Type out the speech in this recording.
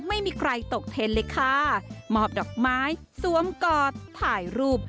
ไม่มีใครตกเทนเลยค่ะมอบดอกไม้สวมกอดถ่ายรูป